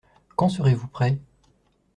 Quand serez-vous prêt ?